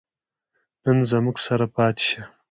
نن زموږ سره پاتې شه